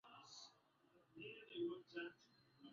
Ongeza kidogo sukari